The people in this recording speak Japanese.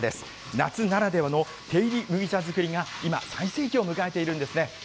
夏ならではの手いり麦茶作りが、今、最盛期を迎えているんですね。